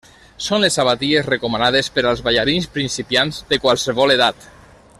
Són les sabatilles recomanades per als ballarins principiants de qualsevol edat.